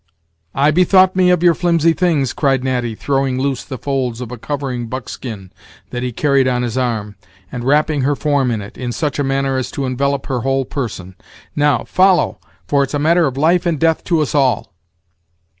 "I bethought me of your flimsy things," cried Natty, throwing loose the folds of a covering buckskin that he carried on his arm, and wrapping her form in it, in such a manner as to envelop her whole person; "now follow, for it's a matter of life and death to us all."